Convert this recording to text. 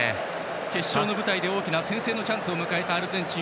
決勝の舞台で大きな先制のチャンスを迎えたアルゼンチン。